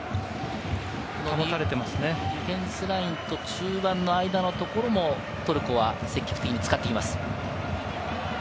ディフェンスラインと中盤の間のところもトルコは積極的に使ってきます。